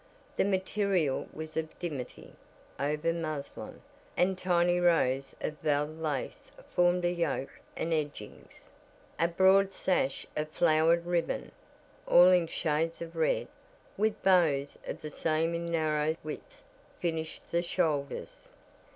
The material was of dimity, over muslin, and tiny rows of "val." lace formed a yoke and edgings. A broad sash of flowered ribbon all in shades of red, with bows of the same in narrow width finished the shoulders.